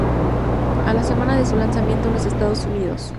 A la semana de su lanzamiento en los Estados Unidos.